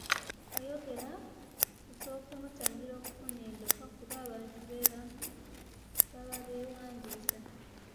Yayogera ku ky'okumutangira okufuna endokwa kuba abantu be bamu baba beewandiisa